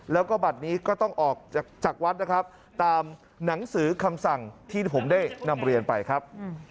แล้วก็บัตรนี้ก็ต้องออกจากวัดนะครับตามหนังสือคำสั่งที่ผมได้นำเรียนไปครับ